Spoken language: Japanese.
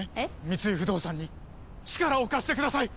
三井不動産に力を貸してください！